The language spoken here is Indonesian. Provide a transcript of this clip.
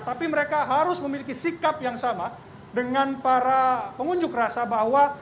tapi mereka harus memiliki sikap yang sama dengan para pengunjuk rasa bahwa